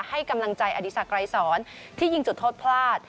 ให้กำลังใจอดีศักดรายสอนที่ยิงจุดโทษพลาด